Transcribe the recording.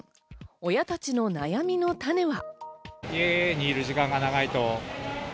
親たちの悩みの種は。